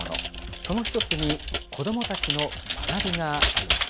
その一つに子どもたちの学びがあります。